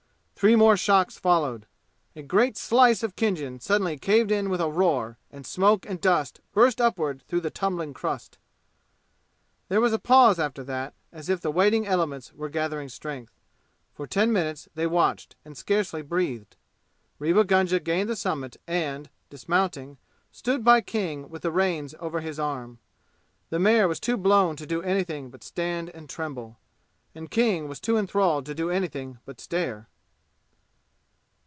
Three more shocks followed. A great slice of Khinjan suddenly caved in with a roar, and smoke and dust burst upward through the tumbling crust. There was a pause after that, as if the waiting elements were gathering strength. For ten minutes they watched and scarcely breathed. Rewa Gunga gained the summit and, dismounting, stood by King with the reins over his arm. The mare was too blown to do anything but stand and tremble. And King was too enthralled to do anything but stare.